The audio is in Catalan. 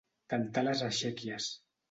Cantar les exèquies.